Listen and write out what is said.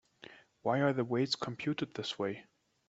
Why are the weights computed this way?